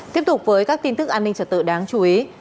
tiếp tục với các tin tức an ninh trật tự đáng chú ý